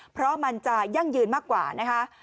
เพราะมันจะยั่งยืนมากกว่านะคะ